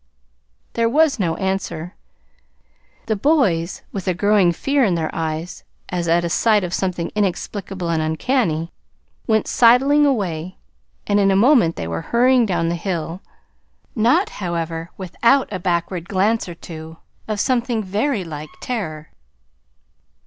There was no answer. The boys, with a growing fear in their eyes, as at sight of something inexplicable and uncanny, were sidling away; and in a moment they were hurrying down the hill, not, however, without a backward glance or two, of something very like terror.